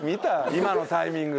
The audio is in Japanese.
今のタイミング。